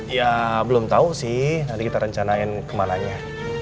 ya belum tahu sih nanti kita rencanain kemananya